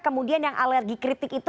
kemudian yang alergi kritik itu